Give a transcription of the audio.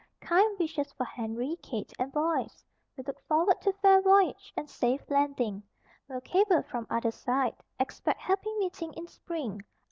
Kind wishes for Henry, Kate and boys. We look forward to fair voyage and safe landing. Will cable from other side. Expect happy meeting in spring.